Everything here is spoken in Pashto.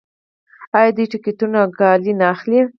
آیا دوی ټکټونه او کالي نه اخلي؟